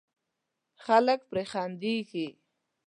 خلک پرې خندېږي.